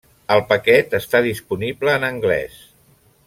El paquet està disponible en anglès.